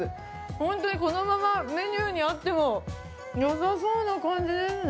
本当にこのままメニューにあってもよさそうな感じですね。